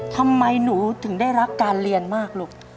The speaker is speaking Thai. ทำไมหนูถึงได้รักการเรียนมากลูก